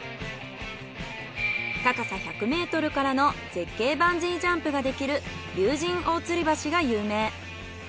高さ１００ｍからの絶景バンジージャンプができる竜神大吊橋が有名。